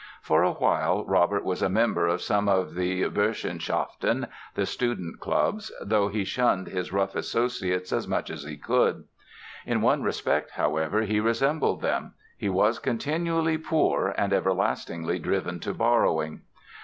For a while Robert was a member of some of the "Burschenschaften", the student clubs, though he shunned his rough associates as much as he could. In one respect, however, he resembled them—he was continually poor and everlastingly driven to borrowing.